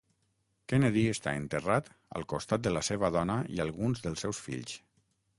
Kennedy està enterrat al costat de la seva dona i alguns dels seus fills.